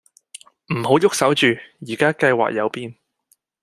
唔好喐手住，宜家計劃有變